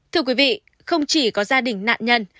thưa quý vị không chỉ có gia đình nạn nhân